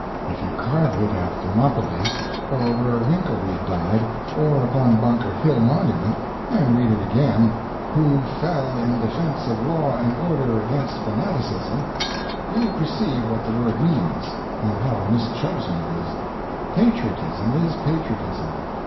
If you carve it at Thermopylae, or where Winkelried died, or upon Bunker Hill monument, and read it again "who fell in defence of law and order against fanaticism" you will perceive what the word means, and how mischosen it is. Patriotism is Patriotism.